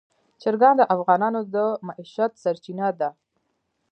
چرګان د افغانانو د معیشت سرچینه ده.